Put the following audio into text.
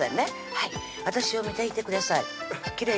はい私を見ていてください